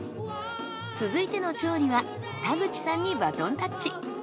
続いての調理は田口さんにバトンタッチ。